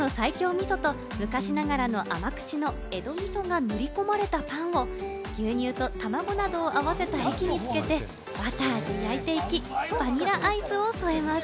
みそと昔ながらの甘口の江戸みそが塗り込まれたパンを牛乳と卵などを合わせた液につけてバターで焼いていき、バニラアイスを添えます。